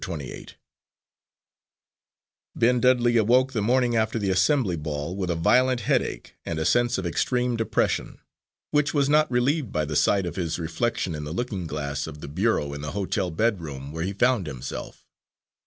Twenty eight Ben Dudley awoke the morning after the assembly ball, with a violent headache and a sense of extreme depression, which was not relieved by the sight of his reflection in the looking glass of the bureau in the hotel bedroom where he found himself.